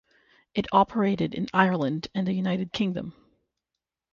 It operated in Ireland and the United Kingdom.